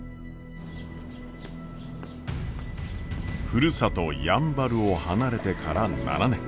ふるさとやんばるを離れてから７年。